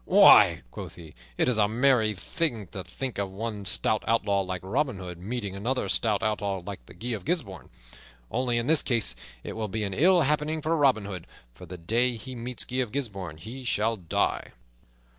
"Why," quoth he, "it is a merry thing to think of one stout outlaw like Robin Hood meeting another stout outlaw like Guy of Gisbourne. Only in this case it will be an ill happening for Robin Hood, for the day he meets Guy of Gisbourne he shall die."